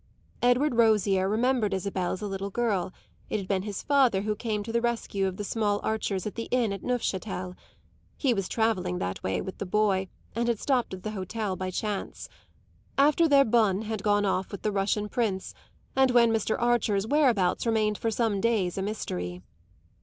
Edward Rosier remembered Isabel as a little girl; it had been his father who came to the rescue of the small Archers at the inn at Neufchatel (he was travelling that way with the boy and had stopped at the hotel by chance), after their bonne had gone off with the Russian prince and when Mr. Archer's whereabouts remained for some days a mystery.